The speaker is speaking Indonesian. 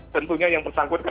tentunya yang bersangkutan